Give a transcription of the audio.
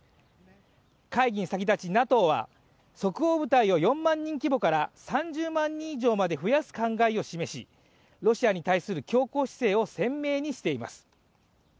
会議に先立ちＮＡＴＯは即応部隊を４万人規模から３０万人以上まで増やす考えを示しロシアに対する強硬姿勢を鮮明にしています。